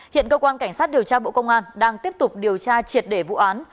hiện cơ quan cảnh sát điều tra bộ công an đang tiếp tục điều tra triệt để vụ án